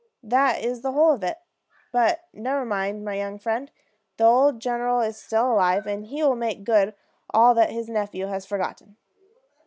That is the whole of it. But never mind, my young friend; the old general is still alive, and he will make good all that his nephew has forgotten."